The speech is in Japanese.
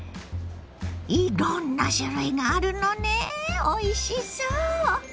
いろんな種類があるのねおいしそう！